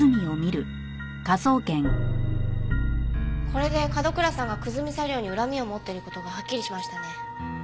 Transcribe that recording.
これで角倉さんが久住茶寮に恨みを持ってる事がはっきりしましたね。